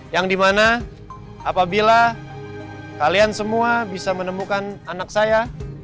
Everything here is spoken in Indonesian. yang dimana apabila kalian semua bisa menemukan anak saya